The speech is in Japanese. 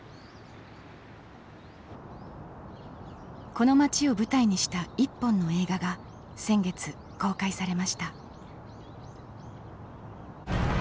この街を舞台にした一本の映画が先月公開されました。